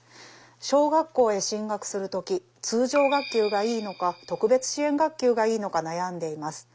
「小学校へ進学する時通常学級がいいのか特別支援学級がいいのか悩んでいます。